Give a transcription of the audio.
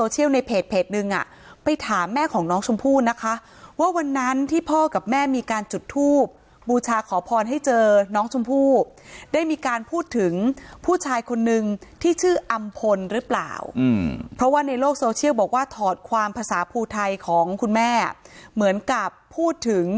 ฟริตปุ่นนิ่มทีมข่าวของเราก็เอาประเด็นนี้ที่มีการโพสต์เอาไว้ในโลกโซเชียลในเผ